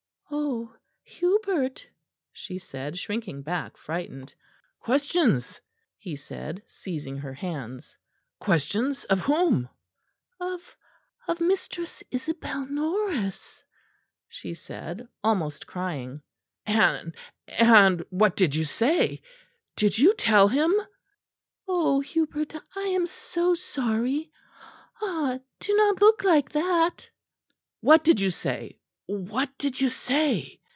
"Oh, Hubert!" she said, shrinking back frightened. "Questions!" he said, seizing her hands. "Questions of whom?" "Of of Mistress Isabel Norris," she said, almost crying. "And and what did you say? Did you tell him?" "Oh, Hubert! I am so sorry ah! do not look like that." "What did you say? What did you say?"